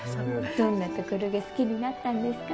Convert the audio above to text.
どんなところが好きになったんですか？